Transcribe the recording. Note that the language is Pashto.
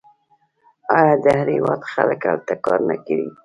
آیا د هر هیواد خلک هلته کار نه کوي؟